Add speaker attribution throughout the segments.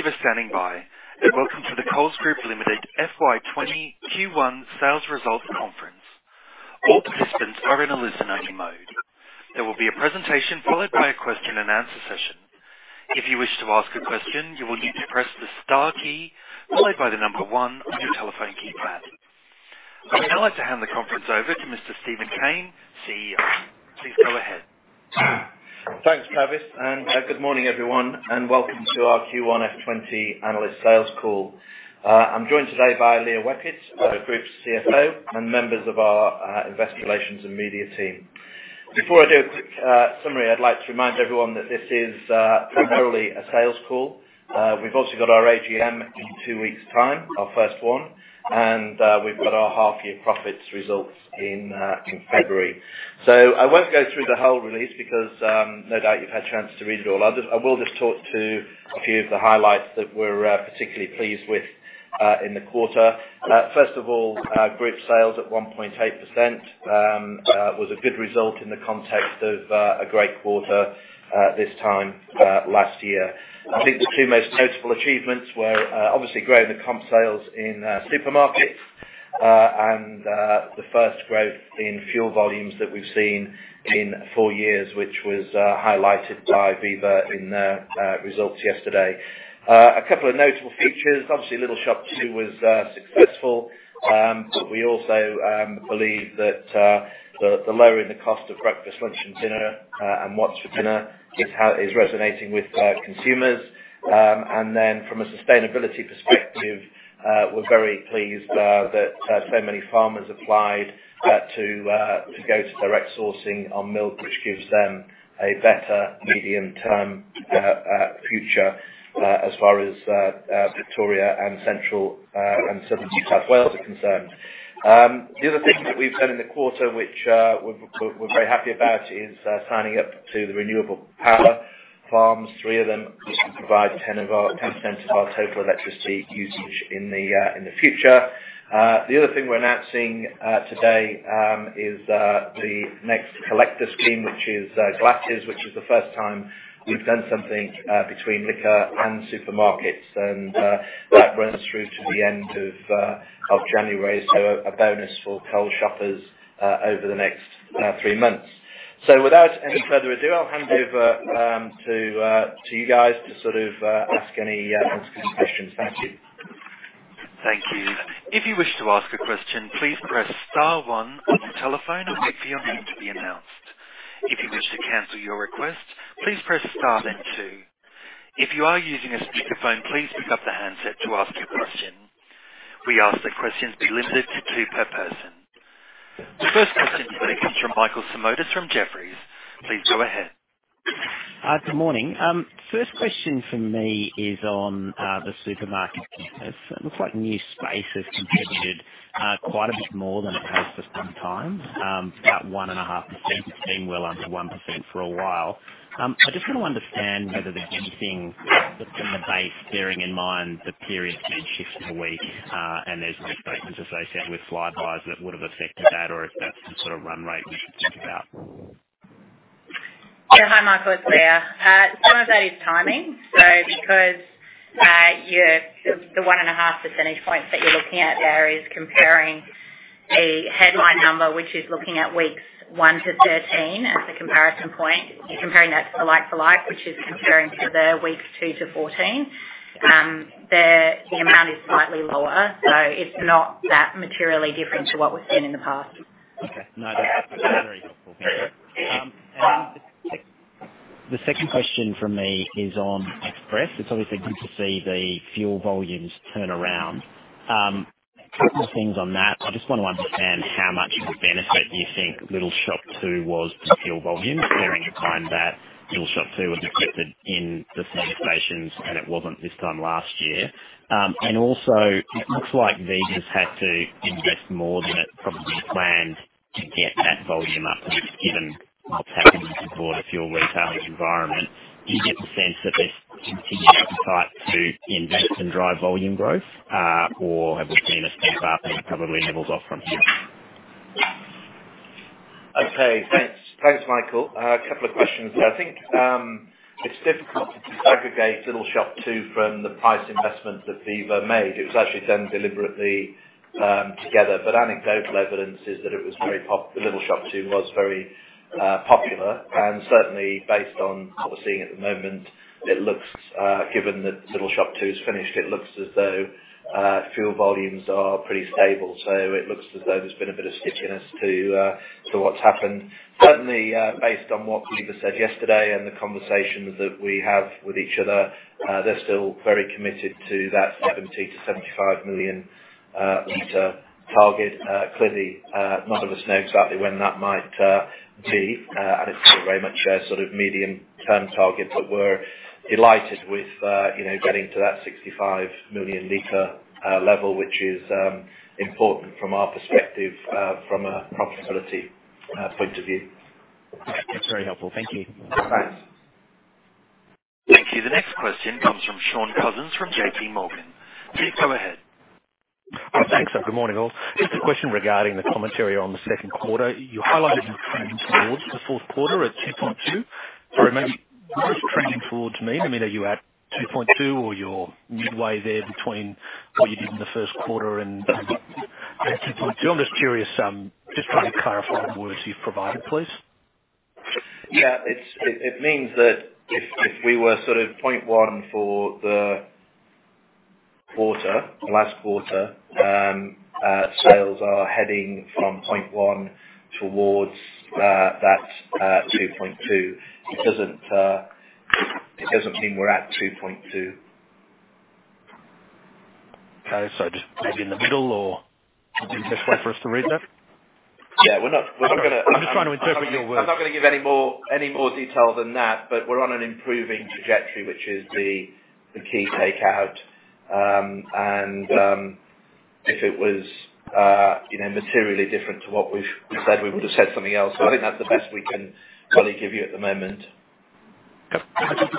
Speaker 1: Thank you for standing by, and welcome to the Coles Group Limited FY20 Q1 Sales Results Conference. All participants are in a listening mode. There will be a presentation followed by a question-and-answer session. If you wish to ask a question, you will need to press the star key, followed by the number one on your telephone keypad. I would now like to hand the conference over to Mr. Steven Cain, CEO. Please go ahead.
Speaker 2: Thanks, Travis. And good morning, everyone, and welcome to our Q1 F20 Analyst Sales Call. I'm joined today by Leah Weckert, the Group's CFO, and members of our Investor Relations and Media team. Before I do a quick summary, I'd like to remind everyone that this is primarily a sales call. We've also got our AGM in two weeks' time, our first one, and we've got our half-year profits results in February. So I won't go through the whole release because no doubt you've had a chance to read it all. I will just talk to a few of the highlights that we're particularly pleased with in the quarter. First of all, Group sales at 1.8% was a good result in the context of a great quarter this time last year. I think the two most notable achievements were obviously growing the comp sales in supermarkets and the first growth in fuel volumes that we've seen in four years, which was highlighted by Viva in their results yesterday. A couple of notable features, obviously Little Shop 2 was successful, but we also believe that lowering the cost of breakfast, lunch, and dinner, and What's for Dinner is resonating with consumers. From a sustainability perspective, we're very pleased that so many farmers applied to go to direct sourcing on milk, which gives them a better medium-term future as far as Victoria and central and southern New South Wales are concerned. The other thing that we've done in the quarter, which we're very happy about, is signing up to the renewable power farms, three of them, which will provide 10% of our total electricity usage in the future. The other thing we're announcing today is the next collector scheme, which is glasses, which is the first time we've done something between liquor and supermarkets, and that runs through to the end of January, so a bonus for Coles shoppers over the next three months. So without any further ado, I'll hand over to you guys to sort of ask any questions. Thank you.
Speaker 1: Thank you. If you wish to ask a question, please press star one on your telephone and wait for your name to be announced. If you wish to cancel your request, please press star then two. If you are using a speakerphone, please pick up the handset to ask your question. We ask that questions be limited to two per person. The first question today comes from Michael Simotas from Jefferies. Please go ahead.
Speaker 3: Good morning. First question for me is on the supermarkets. It looks like new spaces have contributed quite a bit more than it has for some time, about 1.5%, being well under 1% for a while. I just want to understand whether there's anything that's in the base bearing in mind the periods being shifted away and there's no statements associated with Flybuys that would have affected that or if that's the sort of run rate we should think about.
Speaker 4: Yeah. Hi, Michael. It's Leah. Some of that is timing. So because the one and a half percentage points that you're looking at there is comparing a headline number, which is looking at weeks 1 to 13 as a comparison point. You're comparing that to the like-for-like, which is comparing to the weeks 2 to 14. The amount is slightly lower, so it's not that materially different to what we've seen in the past.
Speaker 3: Okay. No, that's very helpful. Thank you. And the second question for me is on Express. It's obviously good to see the fuel volumes turn around. A couple of things on that. I just want to understand how much of a benefit you think Little Shop 2 was to fuel volumes during a time that Little Shop 2 was accepted in the same stations and it wasn't this time last year. And also, it looks like Viva's had to invest more than it probably planned to get that volume up and given what's happening with the broader fuel retail environment. Do you get the sense that there's continued appetite to invest and drive volume growth, or have we seen a step up and it probably levels off from here?
Speaker 2: Okay. Thanks, Michael. A couple of questions. I think it's difficult to disaggregate Little Shop 2 from the price investment that Viva made. It was actually done deliberately together, but anecdotal evidence is that Little Shop 2 was very popular. And certainly, based on what we're seeing at the moment, given that Little Shop 2 is finished, it looks as though fuel volumes are pretty stable. So it looks as though there's been a bit of stickiness to what's happened. Certainly, based on what Viva said yesterday and the conversations that we have with each other, they're still very committed to that 70-75 million liter target. Clearly, none of us know exactly when that might be, and it's still very much a sort of medium-term target, but we're delighted with getting to that 65 million liter level, which is important from our perspective from a profitability point of view.
Speaker 3: That's very helpful. Thank you.
Speaker 2: Thanks.
Speaker 1: Thank you. The next question comes from Shaun Cousins from J.P. Morgan. Please go ahead.
Speaker 5: Hi, thanks. Good morning, all. Just a question regarding the commentary on the second quarter. You highlighted you're trending towards the fourth quarter at 2.2. Sorry, maybe what does trending towards mean? I mean, are you at 2.2 or you're midway there between what you did in the first quarter and 2.2? I'm just curious, just trying to clarify the words you've provided, please.
Speaker 2: Yeah. It means that if we were sort of 0.1% for the quarter, last quarter, sales are heading from 0.1% towards that 2.2%. It doesn't mean we're at 2.2%.
Speaker 5: Okay, so just maybe in the middle, or would you be best for us to read that?
Speaker 2: Yeah. We're not going to.
Speaker 5: I'm just trying to interpret your words.
Speaker 2: I'm not going to give any more detail than that, but we're on an improving trajectory, which is the key takeout. And if it was materially different to what we said, we would have said something else. So I think that's the best we can probably give you at the moment.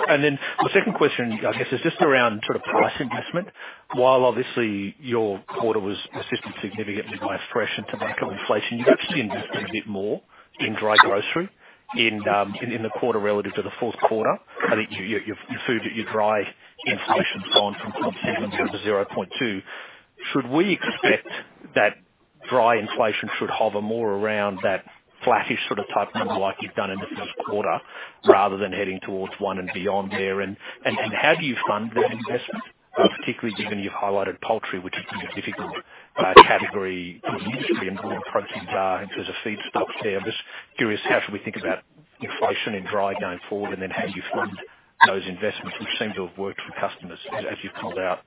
Speaker 5: And then the second question, I guess, is just around sort of price investment. While obviously your quarter was assisted significantly by fresh and tobacco inflation, you've actually invested a bit more in dry grocery in the quarter relative to the fourth quarter. I think your dry inflation went from 0.7% to 0.2%. Should we expect that dry inflation should hover more around that flattish sort of type number like you've done in the first quarter rather than heading towards 1% and beyond there? And how do you fund that investment, particularly given you've highlighted poultry, which is a pretty difficult category in the industry and what proteins are in terms of feedstuffs there? I'm just curious, how should we think about inflation and dry going forward, and then how do you fund those investments, which seem to have worked for customers, as you've called out?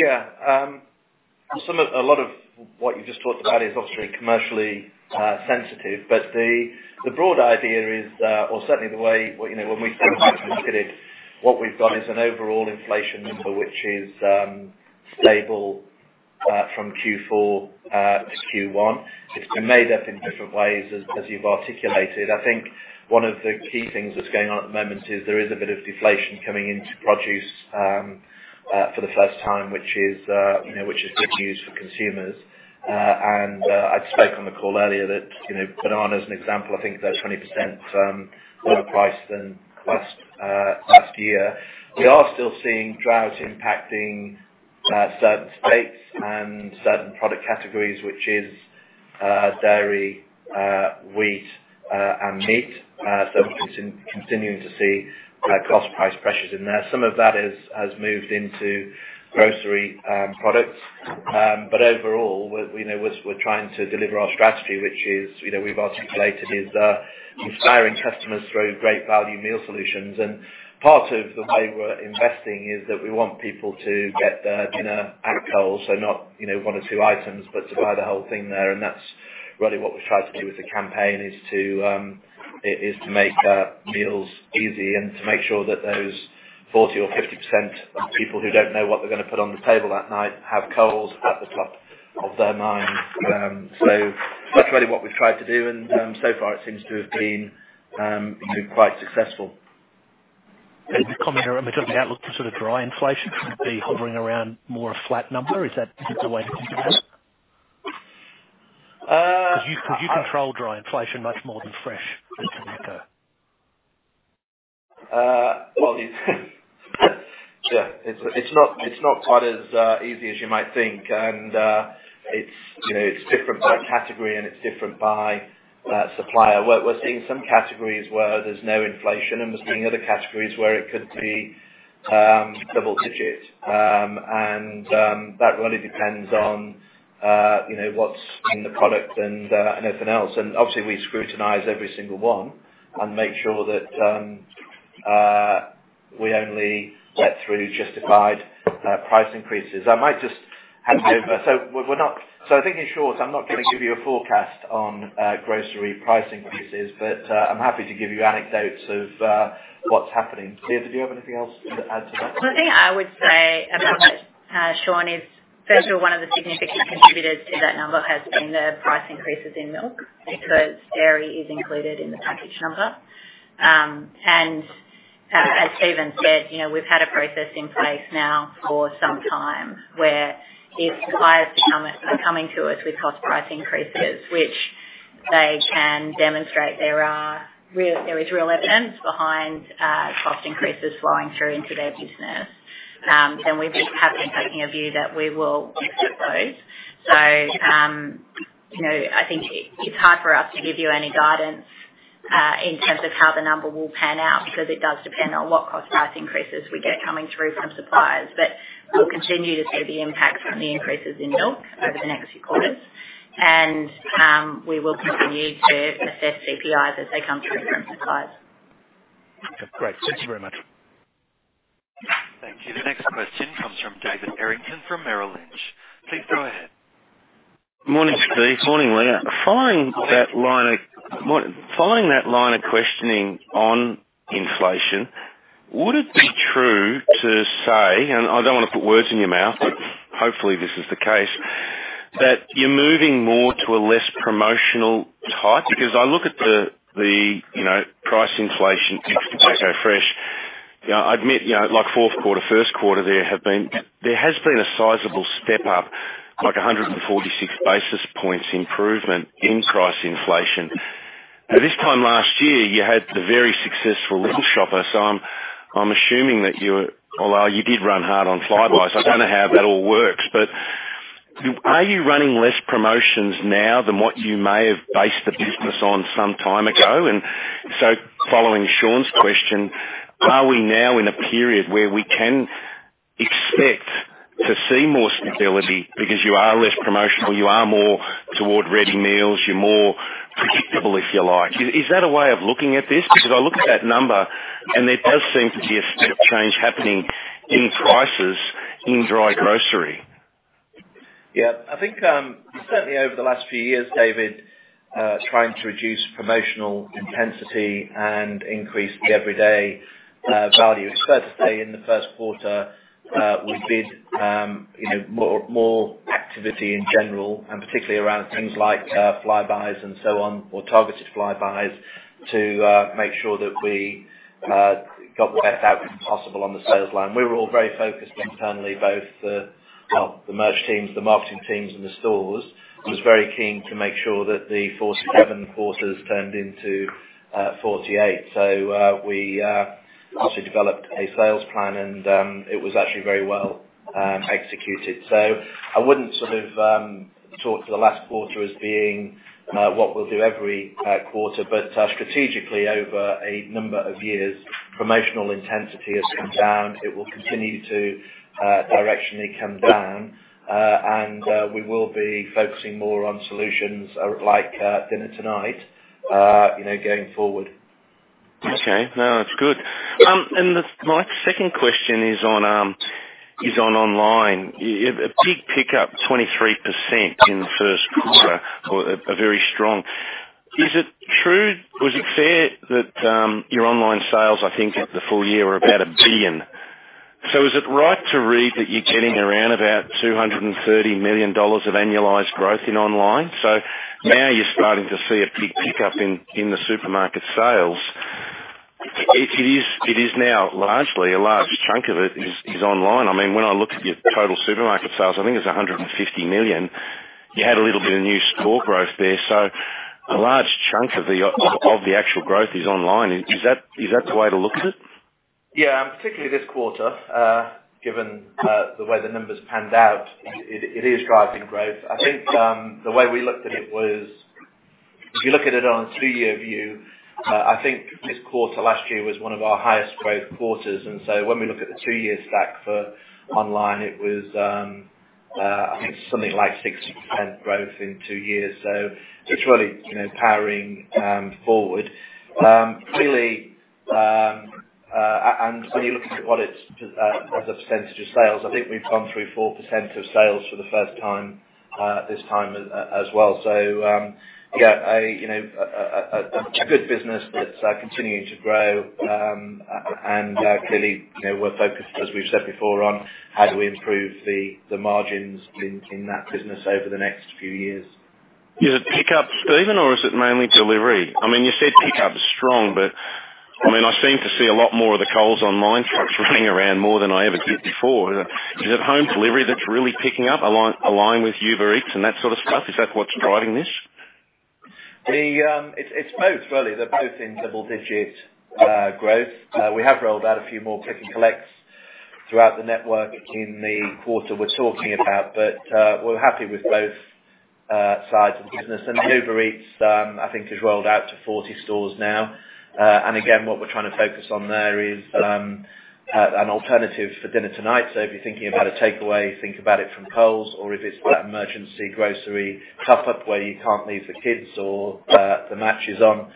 Speaker 2: Yeah. A lot of what you've just talked about is obviously commercially sensitive, but the broad idea is, or certainly the way when we started to look at it, what we've got is an overall inflation number, which is stable from Q4 to Q1. It's been made up in different ways, as you've articulated. I think one of the key things that's going on at the moment is there is a bit of deflation coming into produce for the first time, which is good news for consumers. I spoke on the call earlier that bananas, as an example, I think they're 20% cheaper than last year. We are still seeing drought impacting certain states and certain product categories, which are dairy, wheat, and meat. So we're continuing to see cost price pressures in there. Some of that has moved into grocery products. But overall, we're trying to deliver our strategy, which we've articulated, is inspiring customers through great value meal solutions. And part of the way we're investing is that we want people to get their dinner at Coles, so not one or two items, but to buy the whole thing there. And that's really what we've tried to do with the campaign, is to make meals easy and to make sure that those 40%-50% of people who don't know what they're going to put on the table that night have Coles at the top of their mind. So that's really what we've tried to do, and so far it seems to have been quite successful.
Speaker 5: Coming out of the outlook for sort of dry inflation, would it be hovering around more a flat number? Is that the way to think about it? Because you control dry inflation much more than fresh and tobacco.
Speaker 2: Yeah. It's not quite as easy as you might think, and it's different by category and it's different by supplier. We're seeing some categories where there's no inflation, and we're seeing other categories where it could be double-digit. And that really depends on what's in the product and everything else. And obviously, we scrutinize every single one and make sure that we only get through justified price increases. I might just hand over. So I think in short, I'm not going to give you a forecast on grocery price increases, but I'm happy to give you anecdotes of what's happening. Leah, did you have anything else to add to that?
Speaker 4: One thing I would say about it, Shaun, is certainly one of the significant contributors to that number has been the price increases in milk because dairy is included in the package number, and as Steven said, we've had a process in place now for some time where if suppliers are coming to us with cost-price increases, which they can demonstrate there is real evidence behind cost increases flowing through into their business, then we will accept those, so I think it's hard for us to give you any guidance in terms of how the number will pan out because it does depend on what cost-price increases we get coming through from suppliers, but we'll continue to see the impact from the increases in milk over the next few quarters, and we will continue to assess CPIs as they come through from suppliers.
Speaker 5: Okay. Great. Thank you very much.
Speaker 1: Thank you. The next question comes from David Errington from Merrill Lynch. Please go ahead.
Speaker 5: Good morning, Steve. Morning, Leah. Following that line of questioning on inflation, would it be true to say, and I don't want to put words in your mouth, but hopefully this is the case, that you're moving more to a less promotional type? Because I look at the price inflation in tobacco, fresh. I admit, like fourth quarter, first quarter, there has been a sizable step up, like 146 basis points improvement in price inflation. Now, this time last year, you had the very successful Little Shop, so I'm assuming that you did run hard on Flybuys. I don't know how that all works, but are you running less promotions now than what you may have based the business on some time ago? And so following Shaun's question, are we now in a period where we can expect to see more stability because you are less promotional, you are more toward ready meals, you're more predictable, if you like? Is that a way of looking at this? Because I look at that number, and there does seem to be a step change happening in prices in dry grocery.
Speaker 2: Yeah. I think certainly over the last few years, David, trying to reduce promotional intensity and increase the everyday value. It's fair to say in the first quarter, we did more activity in general, and particularly around things like Flybuys and so on, or targeted Flybuys, to make sure that we got the best outcome possible on the sales line. We were all very focused internally, both the merch teams, the marketing teams, and the stores. I was very keen to make sure that the 47 quarters turned into 48. So we obviously developed a sales plan, and it was actually very well executed. So I wouldn't sort of talk to the last quarter as being what we'll do every quarter, but strategically, over a number of years, promotional intensity has come down. It will continue to directionally come down, and we will be focusing more on solutions like Dinner Tonight going forward.
Speaker 5: Okay. No, that's good, and my second question is on online. A big pickup, 23% in the first quarter, oh, a very strong. Is it true? Was it fair that your online sales, I think, the full year were about 1 billion? So is it right to read that you're getting around about 230 million dollars of annualized growth in online? So now you're starting to see a big pickup in the supermarket sales. It is now largely a large chunk of it is online. I mean, when I look at your total supermarket sales, I think it's 150 million. You had a little bit of new store growth there. So a large chunk of the actual growth is online. Is that the way to look at it?
Speaker 2: Yeah. Particularly this quarter, given the way the numbers panned out, it is driving growth. I think the way we looked at it was, if you look at it on a two-year view, I think this quarter last year was one of our highest growth quarters. And so when we look at the two-year stack for online, it was, I think, something like 60% growth in two years. So it's really powering forward. Clearly, and when you look at what it's as a percentage of sales, I think we've gone through 4% of sales for the first time this time as well. So yeah, a good business that's continuing to grow. And clearly, we're focused, as we've said before, on how do we improve the margins in that business over the next few years.
Speaker 5: Is it pickup, Steven, or is it mainly delivery? I mean, you said pickup is strong, but I mean, I seem to see a lot more of the Coles Online trucks running around more than I ever did before. Is it home delivery that's really picking up, aligned with Uber Eats and that sort of stuff? Is that what's driving this?
Speaker 2: It's both, really. They're both in double-digit growth. We have rolled out a few more Click and Collect throughout the network in the quarter we're talking about, but we're happy with both sides of the business. And Uber Eats, I think, has rolled out to 40 stores now. And again, what we're trying to focus on there is an alternative for dinner tonight. So if you're thinking about a takeaway, think about it from Coles, or if it's that emergency grocery top-up where you can't leave the kids or the matches on,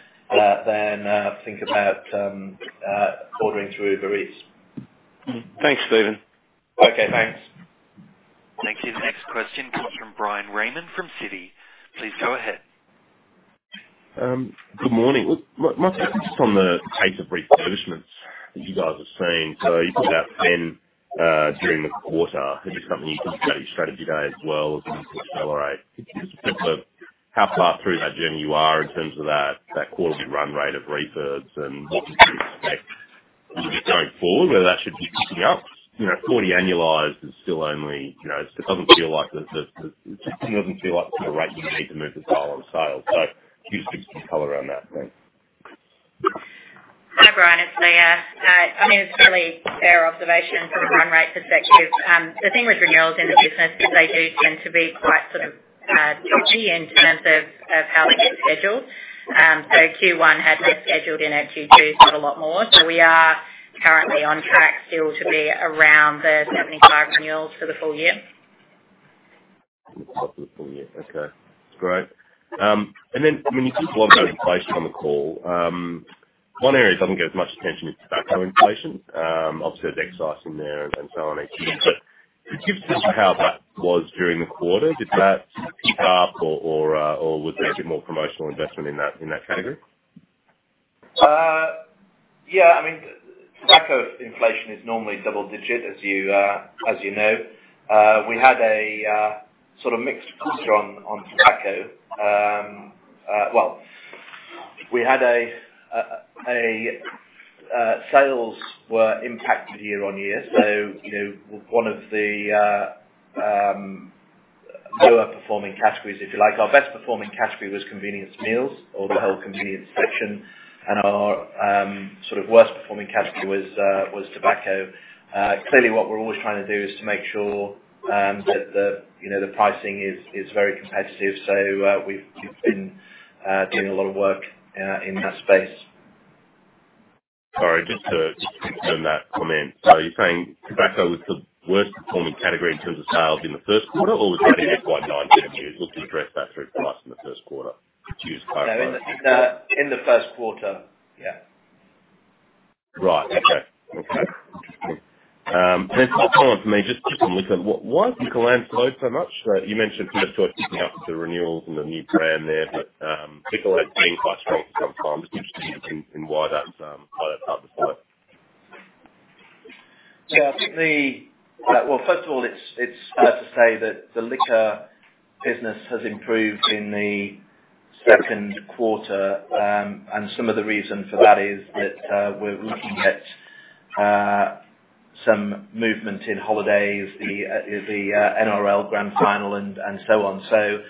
Speaker 2: then think about ordering through Uber Eats.
Speaker 5: Thanks, Steven.
Speaker 2: Okay. Thanks.
Speaker 1: Thank you. The next question comes from Bryan Raymond from Citi. Please go ahead.
Speaker 6: Good morning. My question is just on the pace of refurbishments that you guys are seeing. So you put out 10 during the quarter. Is it something you can strategize as well as accelerate? Just how far through that journey you are in terms of that quarterly run rate of refurbs and what you can expect going forward, whether that should be picking up? 40 annualized is still only. It doesn't feel like the rate you need to move the dial on sales. So could you just give some color around that, please?
Speaker 4: Hi, Bryan. It's Leah. I mean, it's a fair observation from a run rate perspective. The thing with renewals in the business is they do tend to be quite sort of choppy in terms of how they get scheduled. So Q1 had them scheduled in at Q2, not a lot more. So we are currently on track still to be around the 75 renewals for the full year.
Speaker 6: For the full year. Okay. That's great. And then when you talk a lot about inflation on the call, one area doesn't get as much attention is tobacco inflation. Obviously, there's excise in there and so on each year. But it gives us how that was during the quarter. Did that pick up, or was there a bit more promotional investment in that category?
Speaker 2: Yeah. I mean, tobacco inflation is normally double-digit, as you know. We had a sort of mixed picture on tobacco. Well, we had our sales were impacted year on year. So one of the lower-performing categories, if you like, our best-performing category was convenience meals or the whole convenience section, and our sort of worst-performing category was tobacco. Clearly, what we're always trying to do is to make sure that the pricing is very competitive. So we've been doing a lot of work in that space.
Speaker 6: Sorry, just to confirm that comment so you're saying tobacco was the worst-performing category in terms of sales in the first quarter, or was that a bit quiet, and you're able to address that through price in the first quarter?
Speaker 2: No, in the first quarter. Yeah.
Speaker 6: Right. Okay. And then the last one for me, just quick one. Why has Liquorland slowed so much? You mentioned some of the story picking up with the renewals and the new brand there, but liquor had been quite strong for some time. Just interested in why that's hard to follow.
Speaker 2: Yeah. Well, first of all, it's fair to say that the liquor business has improved in the second quarter, and some of the reason for that is that we're looking at some movement in holidays, the NRL Grand Final, and so on. So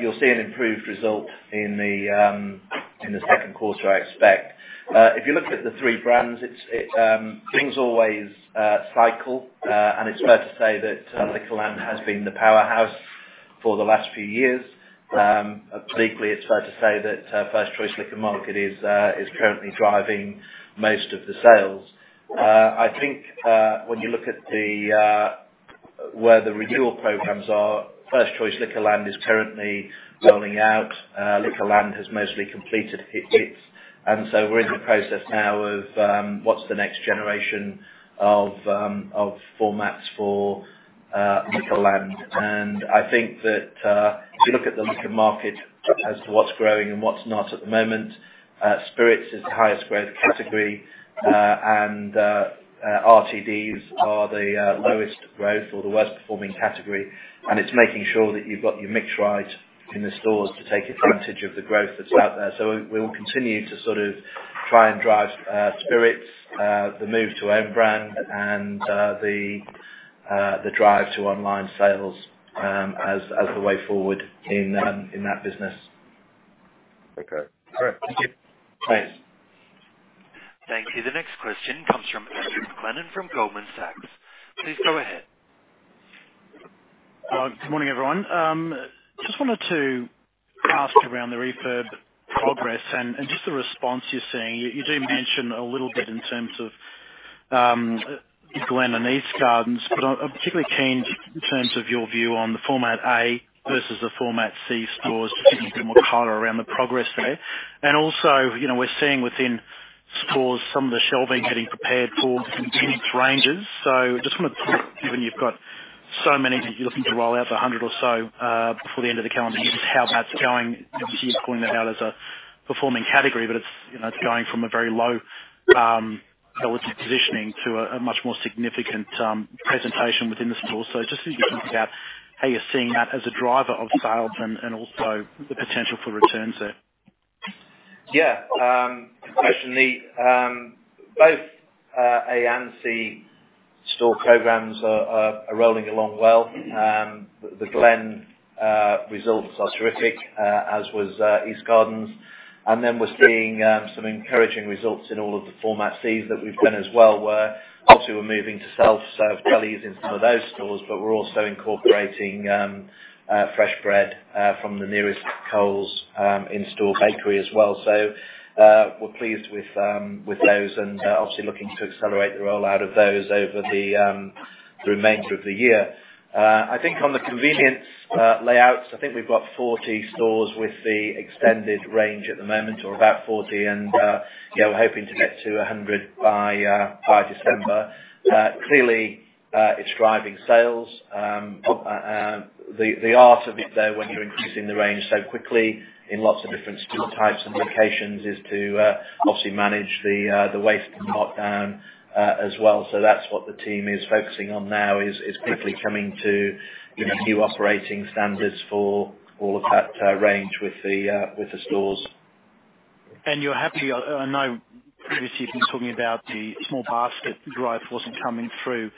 Speaker 2: you'll see an improved result in the second quarter, I expect. If you look at the three brands, things always cycle, and it's fair to say that Liquorland has been the powerhouse for the last few years. Particularly, it's fair to say that First Choice Liquor Market is currently driving most of the sales. I think when you look at where the renewal programs are, First Choice Liquor Market is currently rolling out. Liquorland has mostly completed its, and so we're in the process now of what's the next generation of formats for Liquorland. I think that if you look at the liquor market as to what's growing and what's not at the moment, spirits is the highest-growth category, and RTDs are the lowest-growth or the worst-performing category. It's making sure that you've got your mix right in the stores to take advantage of the growth that's out there. We will continue to sort of try and drive spirits, the move to own brand, and the drive to online sales as the way forward in that business.
Speaker 6: Okay. Great. Thank you.
Speaker 2: Thanks.
Speaker 1: Thank you. The next question comes from Andrew McLennan from Goldman Sachs. Please go ahead.
Speaker 7: Good morning, everyone. Just wanted to ask around the refurb progress and just the response you're seeing. You do mention a little bit in terms of The Glen and Eastgardens, but I'm particularly keen in terms of your view on the Format A versus the Format C stores to see a bit more color around the progress there. Also, we're seeing within stores some of the shelving getting prepared for its ranges. So just wanted to talk, given you've got so many that you're looking to roll out, the 100 or so before the end of the calendar year, just how that's going. You're calling that out as a performing category, but it's going from a very low-quality positioning to a much more significant presentation within the store. Just to get your thoughts about how you're seeing that as a driver of sales and also the potential for returns there?
Speaker 2: Yeah. Good question, Lee. Both A and C store programs are rolling along well. The Glen results are terrific, as was Eastgardens. And then we're seeing some encouraging results in all of the Format C's that we've done as well, where obviously we're moving the south side of deli in some of those stores, but we're also incorporating fresh bread from the nearest Coles in-store bakery as well. So we're pleased with those and obviously looking to accelerate the rollout of those over the remainder of the year. I think on the convenience layouts, I think we've got 40 stores with the extended range at the moment, or about 40, and yeah, we're hoping to get to 100 by December. Clearly, it's driving sales. The art of it, though, when you're increasing the range so quickly in lots of different store types and locations is to obviously manage the waste and markdown as well. So that's what the team is focusing on now, is quickly coming to new operating standards for all of that range with the stores.
Speaker 7: You're happy. I know previously you've been talking about the small basket growth wasn't coming through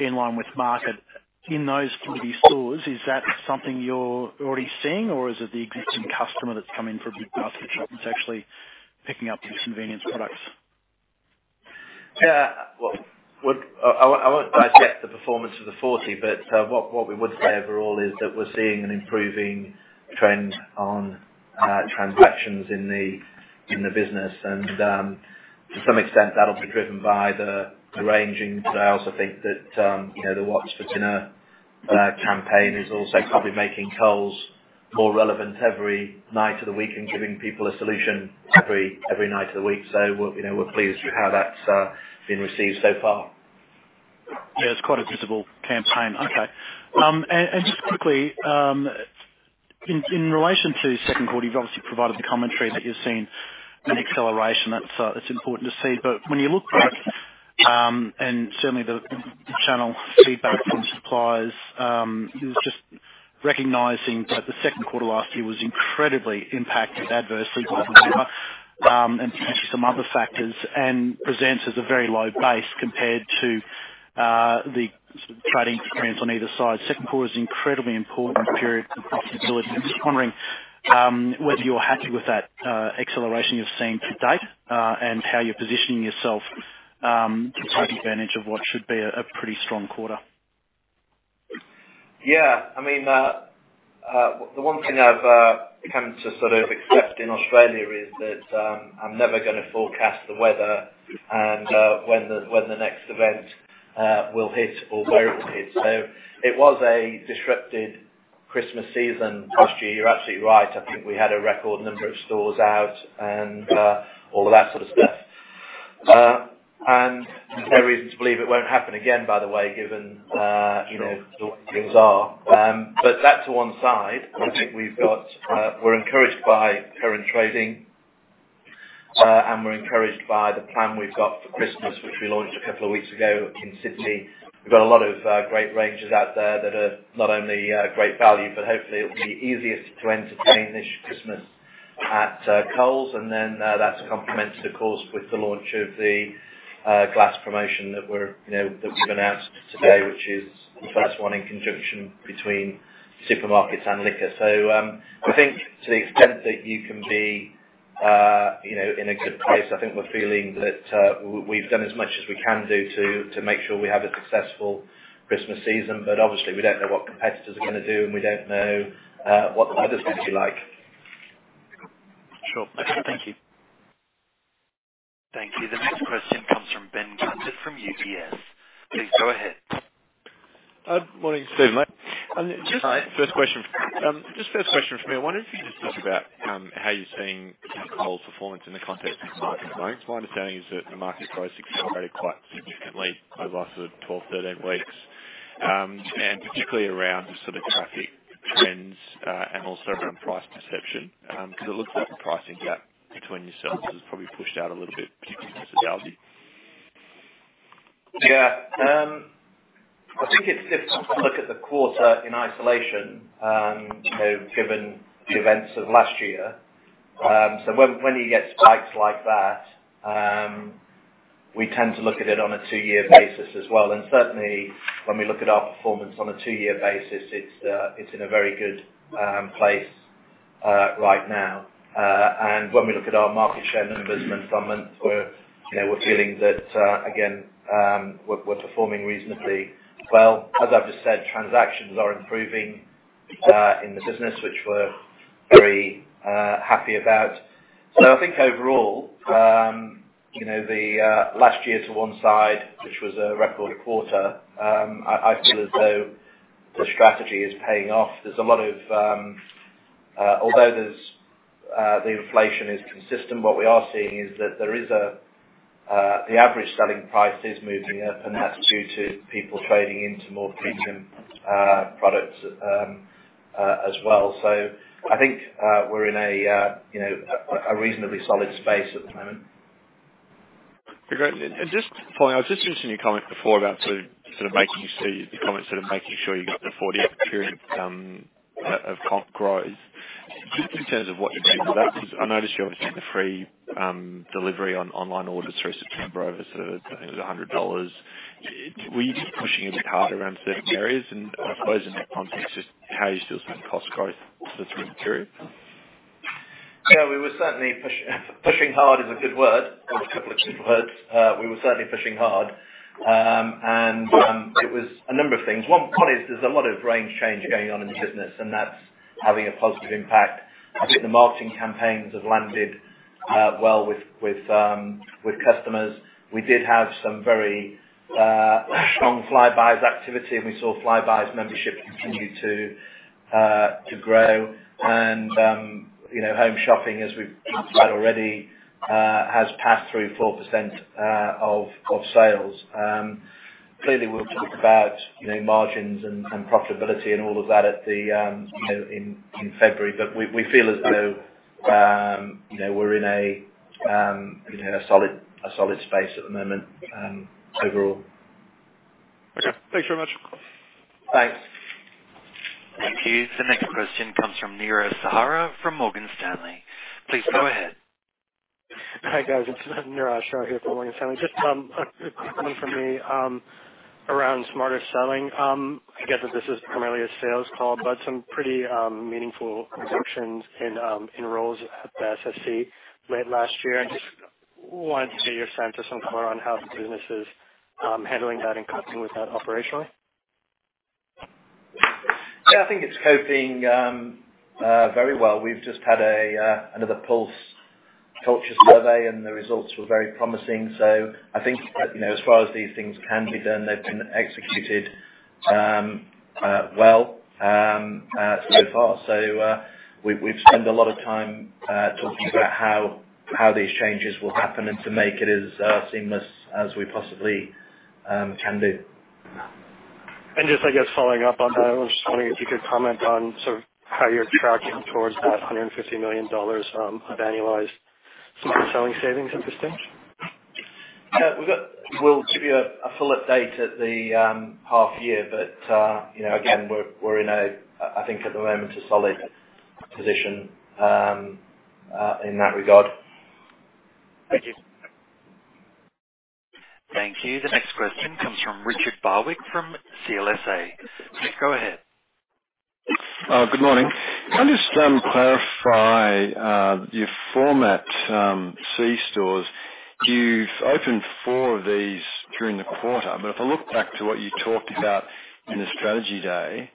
Speaker 7: in line with market. In those three stores, is that something you're already seeing, or is it the existing customer that's coming for a big basket shop that's actually picking up these convenience products?
Speaker 2: Yeah. Well, I won't dissect the performance of the 40, but what we would say overall is that we're seeing an improving trend on transactions in the business. And to some extent, that'll be driven by the ranging. But I also think that the What's for Dinner campaign is also probably making Coles more relevant every night of the week and giving people a solution every night of the week. So we're pleased with how that's been received so far.
Speaker 7: Yeah. It's quite a visible campaign. Okay. And just quickly, in relation to second quarter, you've obviously provided the commentary that you've seen an acceleration that's important to see. But when you look back, and certainly the channel feedback from suppliers, it was just recognizing that the second quarter last year was incredibly impacted adversely by weather and potentially some other factors and presents as a very low base compared to the sort of trading experience on either side. Second quarter is incredibly important period for profitability. I'm just wondering whether you're happy with that acceleration you've seen to date and how you're positioning yourself to take advantage of what should be a pretty strong quarter.
Speaker 2: Yeah. I mean, the one thing I've come to sort of accept in Australia is that I'm never going to forecast the weather and when the next event will hit or where it will hit. So it was a disrupted Christmas season last year. You're absolutely right. I think we had a record number of stores out and all of that sort of stuff. And there's no reason to believe it won't happen again, by the way, given the way things are. But that's one side. I think we've got. We're encouraged by current trading, and we're encouraged by the plan we've got for Christmas, which we launched a couple of weeks ago in Sydney. We've got a lot of great ranges out there that are not only great value, but hopefully, it'll be easiest to entertain this Christmas at Coles. And then that's complemented, of course, with the launch of the glass promotion that we've announced today, which is the first one in conjunction between supermarkets and liquor. So I think to the extent that you can be in a good place, I think we're feeling that we've done as much as we can do to make sure we have a successful Christmas season. But obviously, we don't know what competitors are going to do, and we don't know what the weather's going to be like.
Speaker 7: Sure. Thank you.
Speaker 1: Thank you. The next question comes from Ben Gilbert from UBS. Please go ahead.
Speaker 8: Good morning, Steven.
Speaker 2: Hi.
Speaker 8: Just first question. Just first question for me, I wonder if you could just talk about how you're seeing Coles' performance in the context of the market at the moment. My understanding is that the market's price accelerated quite significantly over the last sort of 12, 13 weeks, and particularly around just sort of traffic trends and also around price perception. Because it looks like the pricing gap between yourselves has probably pushed out a little bit, particularly because of Woolies.
Speaker 2: Yeah. I think it's difficult to look at the quarter in isolation, given the events of last year, so when you get spikes like that, we tend to look at it on a two-year basis as well, and certainly, when we look at our performance on a two-year basis, it's in a very good place right now, and when we look at our market share numbers month on month, we're feeling that, again, we're performing reasonably well. As I've just said, transactions are improving in the business, which we're very happy about, so I think overall, the last year to one side, which was a record quarter, I feel as though the strategy is paying off. There's a lot, although the inflation is consistent, what we are seeing is that there is the average selling price is moving up, and that's due to people trading into more premium products as well. So I think we're in a reasonably solid space at the moment.
Speaker 8: Great. And just following up, just mentioned your comment before about sort of making sure you got the fourth period of growth. Just in terms of what you're doing with that, because I noticed you're obviously in the free delivery on online orders through September over, I think, 100 dollars. Were you just pushing a bit harder around certain areas? And I suppose in that context, just how you're still seeing cost growth for the third period?
Speaker 2: Yeah. We were certainly pushing hard is a good word. There were a couple of good words. We were certainly pushing hard, and it was a number of things. One is there's a lot of range change going on in the business, and that's having a positive impact. I think the marketing campaigns have landed well with customers. We did have some very strong Flybuys activity, and we saw Flybuys membership continue to grow, and home shopping, as we've said already, has passed through 4% of sales. Clearly, we'll talk about margins and profitability and all of that in February, but we feel as though we're in a solid space at the moment overall.
Speaker 8: Okay. Thanks very much.
Speaker 2: Thanks.
Speaker 1: Thank you. The next question comes from Nirav Shah from Morgan Stanley. Please go ahead.
Speaker 3: Hi guys. It's Nirav Shah here from Morgan Stanley. Just a quick one from me around Smarter Selling. I guess that this is primarily a sales call, but some pretty meaningful injections in roles at the SSC late last year, and just wanted to get your sense of some color on how the business is handling that and coping with that operationally.
Speaker 2: Yeah. I think it's coping very well. We've just had another Pulse Culture Survey, and the results were very promising. So I think as far as these things can be done, they've been executed well so far. So we've spent a lot of time talking about how these changes will happen and to make it as seamless as we possibly can be.
Speaker 8: Just, I guess, following up on that, I was just wondering if you could comment on sort of how you're tracking towards that 150 million dollars of annualized Smarter Selling savings at this stage?
Speaker 2: Yeah. We'll give you a full update at the half year, but again, we're in a, I think at the moment, a solid position in that regard.
Speaker 8: Thank you.
Speaker 1: Thank you. The next question comes from Richard Barwick from CLSA. Please go ahead.
Speaker 4: Good morning. Can I just clarify your Format C stores? You've opened four of these during the quarter, but if I look back to what you talked about in the strategy day,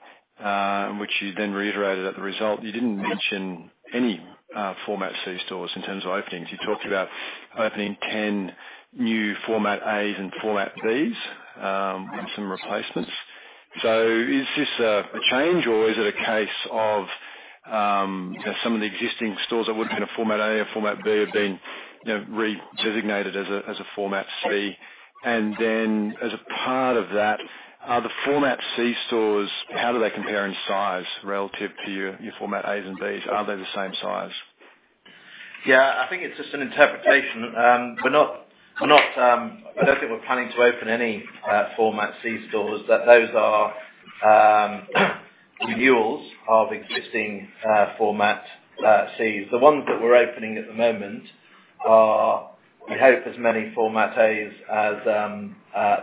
Speaker 4: which you then reiterated at the result, you didn't mention any Format C stores in terms of openings. You talked about opening 10 new Format A's and Format B's with some replacements. So is this a change, or is it a case of some of the existing stores that would have been a Format A and Format B have been redesignated as a Format C? And then as a part of that, are the Format C stores, how do they compare in size relative to your Format A's and B's? Are they the same size?
Speaker 2: Yeah. I think it's just an interpretation. We're not. I don't think we're planning to open any Format C stores. Those are renewals of existing Format C's. The ones that we're opening at the moment are, we hope, as many Format A's as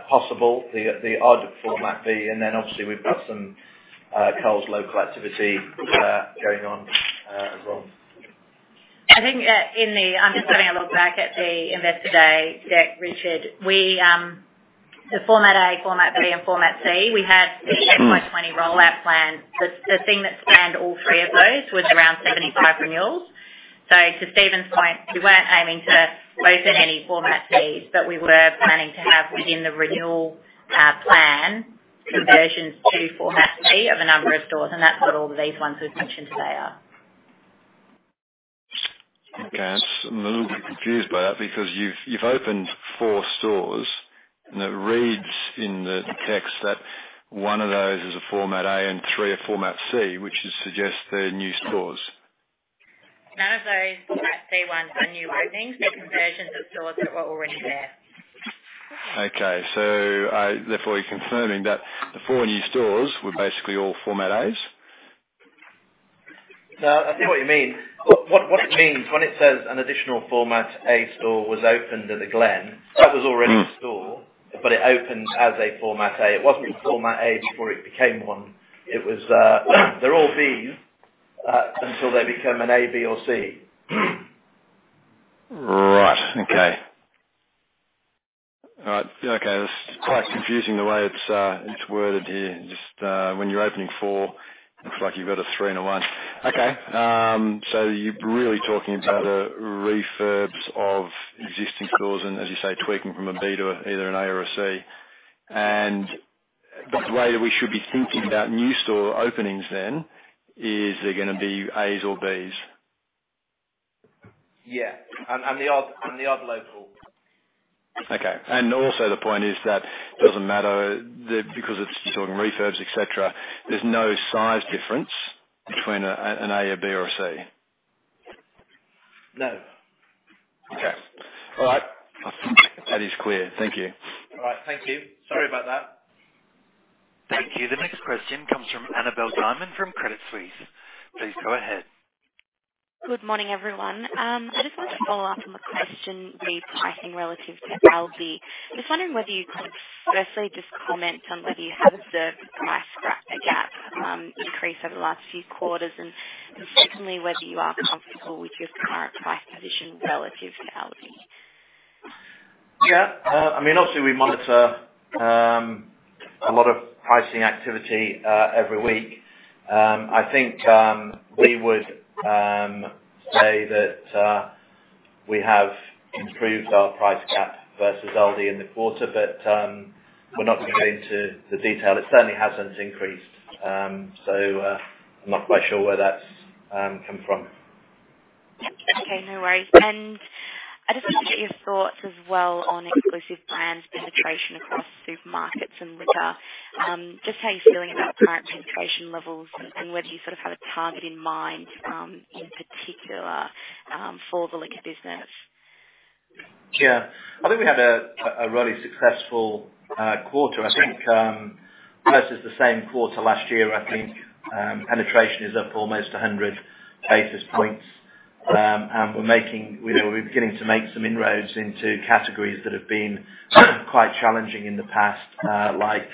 Speaker 2: possible, the odd Format B, and then obviously we've got some Coles Local activity going on as well.
Speaker 4: I think in the. I'm just having a look back at the investor day, Richard, the Format A, Format B, and Format C, we had the 10 by 20 rollout plan. The thing that spanned all three of those was around 75 renewals. So to Steven's point, we weren't aiming to open any Format C's, but we were planning to have within the renewal plan conversions to Format C of a number of stores, and that's what all of these ones we've mentioned today are.
Speaker 9: Okay. I'm a little bit confused by that because you've opened four stores, and it reads in the text that one of those is a Format A and three a Format C, which suggests they're new stores.
Speaker 4: None of those Format C ones are new openings. They're conversions of stores that were already there.
Speaker 9: Okay. So therefore, you're confirming that the four new stores were basically all Format A's?
Speaker 2: No. I see what you mean. What it means, when it says an additional Format A store was opened at The Glen, that was already a store, but it opened as a Format A. It wasn't a Format A before it became one. They're all B's until they become an A, B, or C.
Speaker 8: Right. Okay. All right. Okay. That's quite confusing the way it's worded here. Just when you're opening four, it looks like you've got a three and a one. Okay. So you're really talking about a refurb of existing stores and, as you say, tweaking from a B to either an A or a C. And the way that we should be thinking about new store openings then is they're going to be A's or B's?
Speaker 2: Yeah, and the odd local.
Speaker 8: Okay. And also the point is that it doesn't matter because you're talking refurbs, etc., there's no size difference between an A, a B, or a C?
Speaker 2: No.
Speaker 8: Okay. All right. That is clear. Thank you.
Speaker 2: All right. Thank you. Sorry about that.
Speaker 1: Thank you. The next question comes from Annabel Dymond from Credit Suisse. Please go ahead.
Speaker 4: Good morning, everyone. I just wanted to follow up on the question with pricing relative to Aldi. Just wondering whether you could firstly just comment on whether you have observed the price gap increase over the last few quarters, and secondly, whether you are comfortable with your current price position relative to Aldi.
Speaker 2: Yeah. I mean, obviously, we monitor a lot of pricing activity every week. I think we would say that we have improved our price gap versus Aldi in the quarter, but we're not going to get into the detail. It certainly hasn't increased. So I'm not quite sure where that's come from.
Speaker 4: Okay. No worries, and I just wanted to get your thoughts as well on exclusive brands penetration across supermarkets and liquor. Just how you're feeling about current penetration levels and whether you sort of have a target in mind in particular for the liquor business.
Speaker 2: Yeah. I think we had a really successful quarter. I think versus the same quarter last year, I think penetration is up almost 100 basis points, and we're beginning to make some inroads into categories that have been quite challenging in the past, like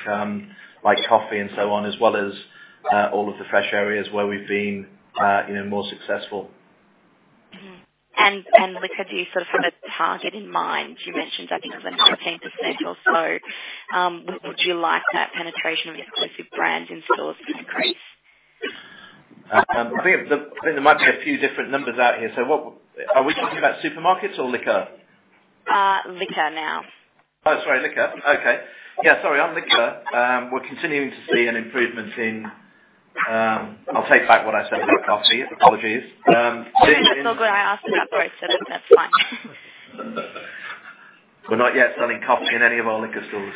Speaker 2: coffee and so on, as well as all of the fresh areas where we've been more successful.
Speaker 4: Liquor, do you sort of have a target in mind? You mentioned, I think, it was an 18% or so. Would you like that penetration of exclusive brands in stores to increase?
Speaker 2: I think there might be a few different numbers out here. So are we talking about supermarkets or liquor?
Speaker 4: Liquor now.
Speaker 2: Oh, sorry. Liquor. Okay. Yeah. Sorry. On liquor, we're continuing to see an improvement in, I'll take back what I said about coffee. Apologies.
Speaker 4: It's all good. I asked about bread, so that's fine.
Speaker 2: We're not yet selling coffee in any of our liquor stores.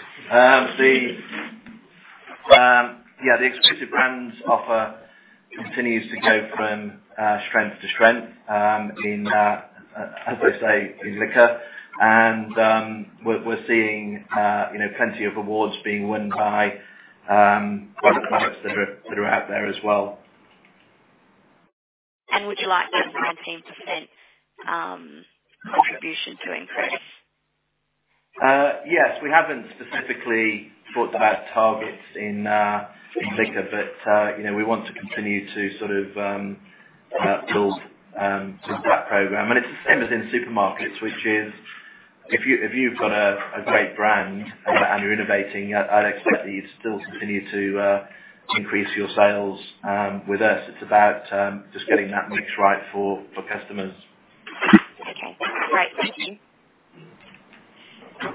Speaker 2: Yeah. The exclusive brands offer continues to go from strength to strength, as they say, in liquor. And we're seeing plenty of awards being won by products that are out there as well.
Speaker 4: Would you like that 19% contribution to increase?
Speaker 2: Yes. We haven't specifically talked about targets in liquor, but we want to continue to sort of build that program. And it's the same as in supermarkets, which is if you've got a great brand and you're innovating, I'd expect that you'd still continue to increase your sales with us. It's about just getting that mix right for customers.
Speaker 4: Okay. Great. Thank you.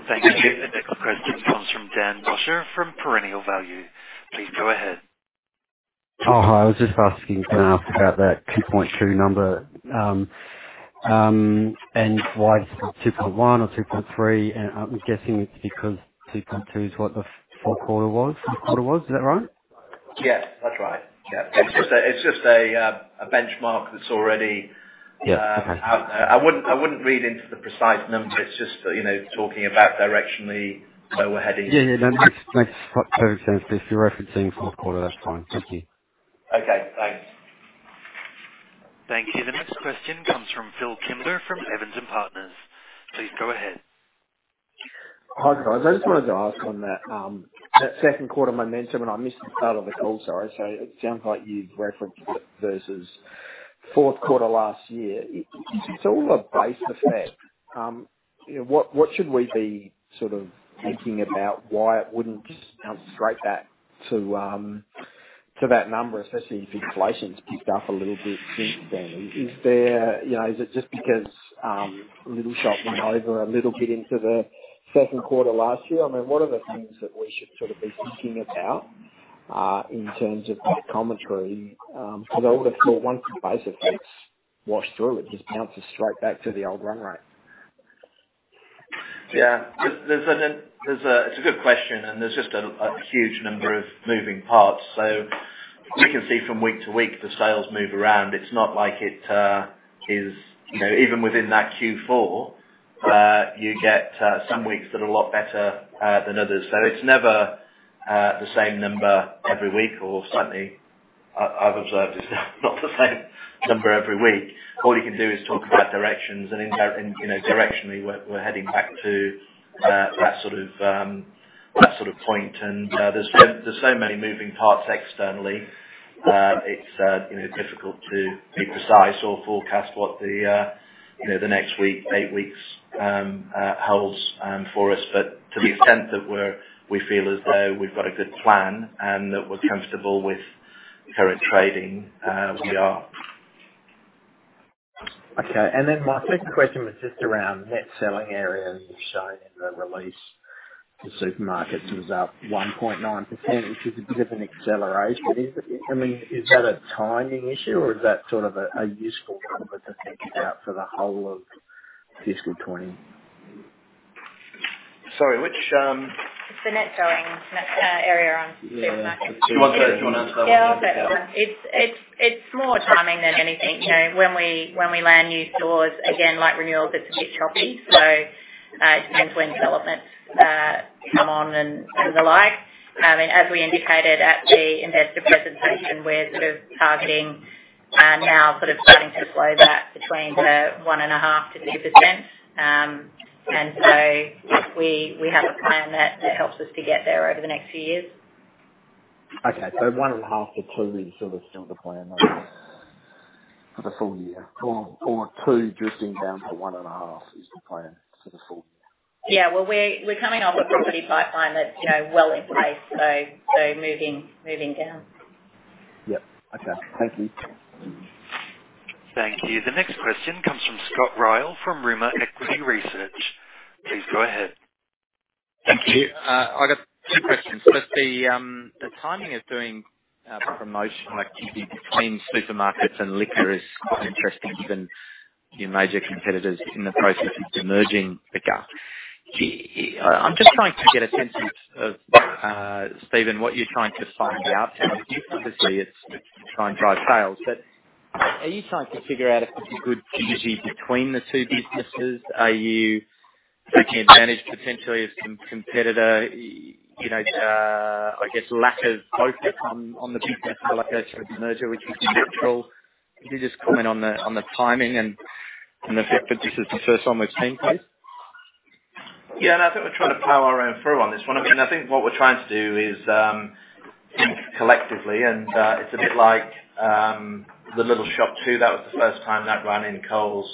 Speaker 1: Thank you. The next question comes from Dan Bosscher from Perennial Value. Please go ahead.
Speaker 3: Oh, hi. I was just asking about that 2.2 number. And why is it 2.1 or 2.3? And I'm guessing it's because 2.2 is what the four-quarter was? Three-quarter was? Is that right?
Speaker 2: Yeah. That's right. Yeah. It's just a benchmark that's already out there. I wouldn't read into the precise numbers. It's just talking about directionally where we're heading.
Speaker 3: Yeah. Yeah. That makes perfect sense. If you're referencing four-quarter, that's fine. Thank you.
Speaker 2: Okay. Thanks.
Speaker 1: Thank you. The next question comes from Phil Kimber from Evans & Partners. Please go ahead.
Speaker 3: Hi, guys. I just wanted to ask on that second quarter momentum, and I missed the start of the call. Sorry. So it sounds like you've referenced it versus fourth quarter last year. It's all a base effect. What should we be sort of thinking about why it wouldn't just bounce straight back to that number, especially if inflation's picked up a little bit since then? Is it just because Little Shop went over a little bit into the second quarter last year? I mean, what are the things that we should sort of be thinking about in terms of commentary? Because I would have thought once the base effects wash through, it just bounces straight back to the old run rate.
Speaker 2: Yeah. It's a good question, and there's just a huge number of moving parts. So we can see from week to week the sales move around. It's not like it is even within that Q4, you get some weeks that are a lot better than others. So it's never the same number every week, or certainly I've observed it's not the same number every week. All you can do is talk about directions, and directionally we're heading back to that sort of point. And there's so many moving parts externally, it's difficult to be precise or forecast what the next week, eight weeks holds for us. But to the extent that we feel as though we've got a good plan and that we're comfortable with current trading, we are.
Speaker 3: Okay. And then my second question was just around net selling area you've shown in the release for supermarkets. It was up 1.9%, which is a bit of an acceleration. I mean, is that a timing issue, or is that sort of a useful number to think about for the whole of fiscal 2020?
Speaker 2: Sorry. Which?
Speaker 4: The net selling area on supermarkets.
Speaker 2: Do you want to answer that one?
Speaker 4: Yeah. I'll answer that one. It's more timing than anything. When we land new stores, again, like renewals, it's a bit choppy. So it depends when developments come on and the like. I mean, as we indicated at the investor presentation, we're sort of targeting now, sort of starting to slow that between 1.5%-2%, and so we have a plan that helps us to get there over the next few years.
Speaker 3: Okay. So 1.5 to 2 is sort of still the plan for the full year, or 2 drifting down to 1.5 is the plan for the full year?
Speaker 4: Yeah. Well, we're coming off a property pipeline that's well in place, so moving down.
Speaker 3: Yep. Okay. Thank you.
Speaker 1: Thank you. The next question comes from Scott Ryall from Rimor Equity Research. Please go ahead.
Speaker 10: Thank you. I've got two questions. First, the timing of doing promotional activity between supermarkets and liquor is quite interesting given your major competitors in the process of merging liquor. I'm just trying to get a sense of, Steven, what you're trying to find out. Obviously, it's trying to drive sales. But are you trying to figure out if it's a good strategy between the two businesses? Are you taking advantage potentially of some competitor, I guess, lack of focus on the biggest deal like that through the merger, which is natural? Could you just comment on the timing and the fact that this is the first one we've seen, please?
Speaker 2: Yeah. And I think we're trying to plow our own furrow on this one. I mean, I think what we're trying to do is think collectively, and it's a bit like the little shop too. That was the first time that ran in Coles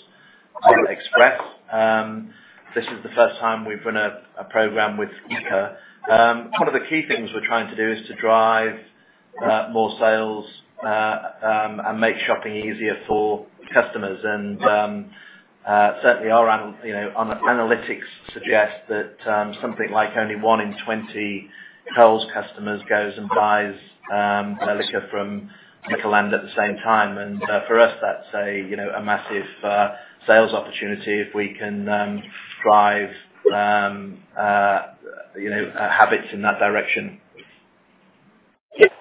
Speaker 2: Express. This is the first time we've run a program with liquor. One of the key things we're trying to do is to drive more sales and make shopping easier for customers. And certainly, our analytics suggest that something like only one in 20 Coles customers goes and buys a liquor from Liquorland at the same time. And for us, that's a massive sales opportunity if we can drive habits in that direction.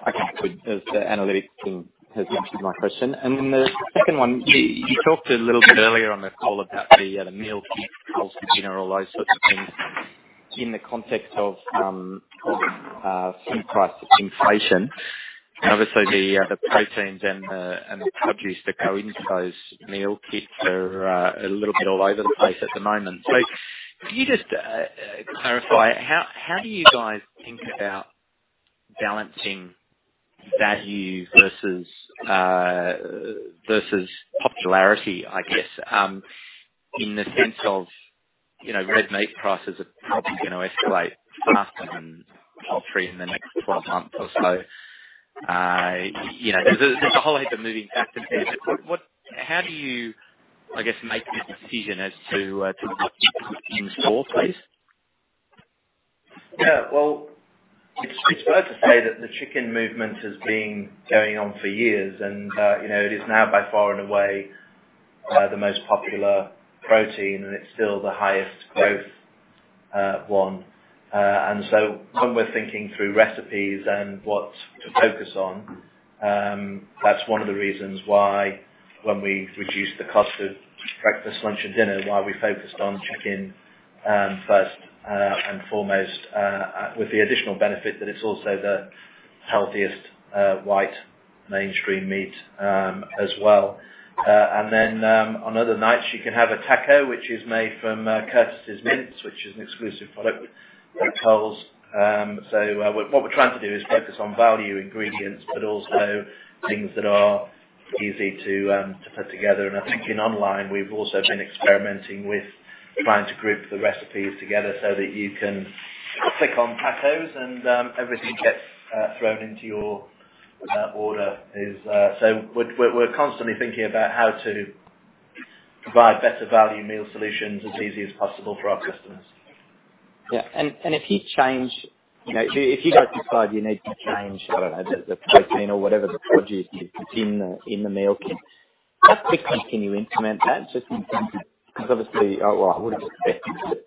Speaker 3: Okay. Good. The analytics team has answered my question. And then the second one, you talked a little bit earlier on the call about the meal deals, costs, and general, all those sorts of things in the context of food price inflation. Obviously, the proteins and the produce that go into those meal kits are a little bit all over the place at the moment. So can you just clarify, how do you guys think about balancing value versus popularity, I guess, in the sense of red meat prices are probably going to escalate faster than poultry in the next 12 months or so? There's a whole heap of moving factors here. How do you, I guess, make the decision as to what you price things at, please?
Speaker 2: Yeah. Well, it's fair to say that the chicken movement has been going on for years, and it is now by far and away the most popular protein, and it's still the highest growth one. And so when we're thinking through recipes and what to focus on, that's one of the reasons why when we reduced the cost of breakfast, lunch, and dinner, why we focused on chicken first and foremost, with the additional benefit that it's also the healthiest white mainstream meat as well. And then on other nights, you can have a taco, which is made from Curtis's mince, which is an exclusive product with Coles. So what we're trying to do is focus on value ingredients, but also things that are easy to put together. And I think in online, we've also been experimenting with trying to group the recipes together so that you can click on tacos, and everything gets thrown into your order. So we're constantly thinking about how to provide better value meal solutions as easy as possible for our customers.
Speaker 3: Yeah. And if you guys decide you need to change, I don't know, the protein or whatever the produce is in the meal kit, how quickly can you implement that? Because obviously, well, I would expect it to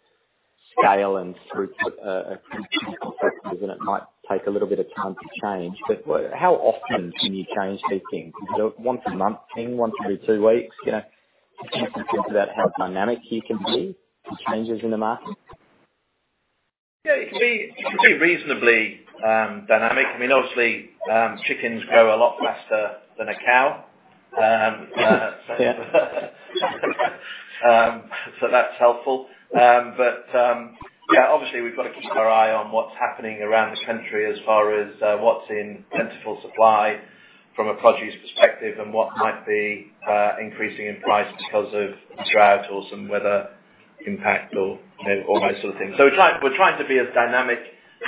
Speaker 3: scale and through people's systems, and it might take a little bit of time to change. But how often can you change these things? Is it a once-a-month thing, once every two weeks? Can you think about how dynamic you can be with changes in the market?
Speaker 2: Yeah. It can be reasonably dynamic. I mean, obviously, chickens grow a lot faster than a cow, so that's helpful. But yeah, obviously, we've got to keep our eye on what's happening around the country as far as what's in plentiful supply from a produce perspective and what might be increasing in price because of drought or some weather impact or those sort of things. So we're trying to be as dynamic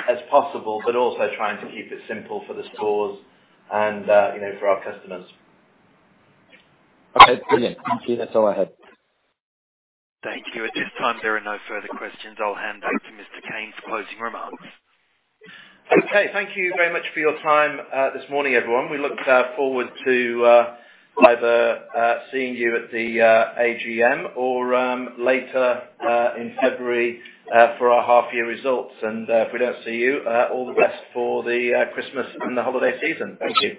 Speaker 2: as possible, but also trying to keep it simple for the stores and for our customers.
Speaker 3: Okay. Brilliant. Thank you. That's all I had.
Speaker 1: Thank you. At this time, there are no further questions. I'll hand back to Mr. Cain for closing remarks.
Speaker 2: Okay. Thank you very much for your time this morning, everyone. We look forward to either seeing you at the AGM or later in February for our half-year results. And if we don't see you, all the best for the Christmas and the holiday season. Thank you.